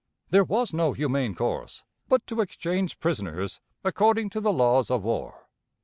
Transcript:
There was no humane course but to exchange prisoners according to the laws of war.